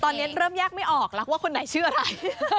ตอนนี้เริ่มแยกไม่ออกแล้วว่าคนไหนชื่ออะไร